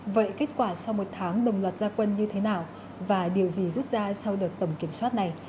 vậy kết quả sau một tháng đồng loạt gia quân như thế nào và điều gì rút ra sau đợt tổng kiểm soát này